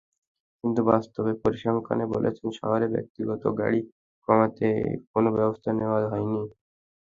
কিন্তু বাস্তবে পরিসংখ্যান বলছে, শহরে ব্যক্তিগত গাড়ি কমাতে কোনো ব্যবস্থা নেওয়া হয়নি।